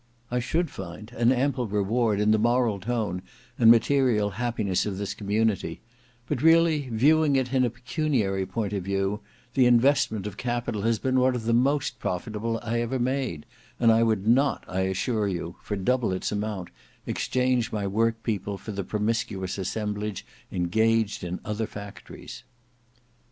I should find an ample reward in the moral tone and material happiness of this community; but really viewing it in a pecuniary point of view, the investment of capital has been one of the most profitable I ever made; and I would not, I assure you, for double its amount, exchange my workpeople for the promiscuous assemblage engaged in other factories."